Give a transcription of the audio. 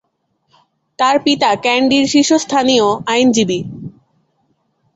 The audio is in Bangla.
তার পিতা ক্যান্ডি’র শীর্ষস্থানীয় আইনজীবী।